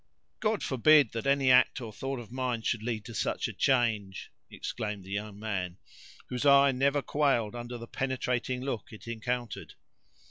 "God forbid that any act or thought of mine should lead to such a change!" exclaimed the young man, whose eye never quailed under the penetrating look it encountered.